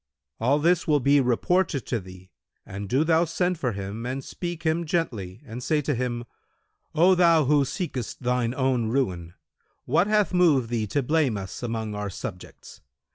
All this will be reported to thee and do thou send for him and speak him gently and say to him, 'O thou who seekest thine own ruin, what hath moved thee to blame us among our subjects?